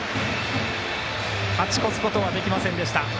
勝ち越すことはできませんでした。